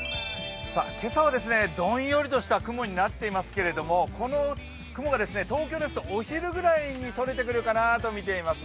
今朝はどんよりとした雲になっていますけれども、この雲が、東京ですとお昼ぐらいにとれてくるかなと見ています。